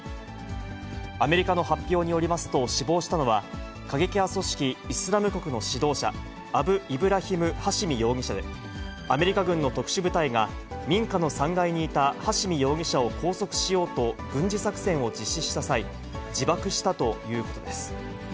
アメリカの発表によりますと、死亡したのは、過激派組織イスラム国の指導者、アブイブラヒム・ハシミ容疑者で、アメリカ軍の特殊部隊が民家の３階にいたハシミ容疑者を拘束しようと、軍事作戦を実施した際、自爆したということです。